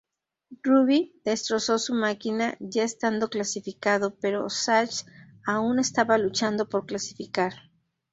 Ruby destrozó su máquina, ya estando clasificado, pero Sachs aún estaba luchando por clasificar.